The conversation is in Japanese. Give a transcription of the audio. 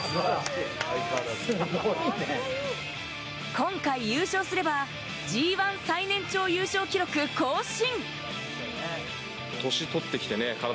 今回優勝すればＧ１最年長優勝記録更新。